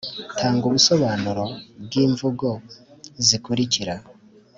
Tanga ibisobanuro by’imvugo zikurikira